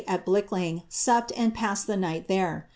at Blicklin^, supped and passed the night there.'